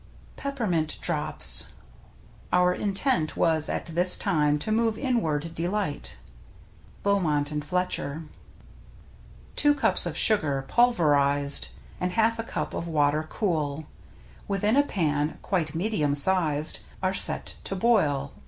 ^^■^ PEPPERMINT DROPS Our intent mas at this time to move inward de light. — Beaumont and Fletcher. Two cups of sugar — pulverized — And half a cup of water cool Within a pan, quite medium sized, Are set to boil.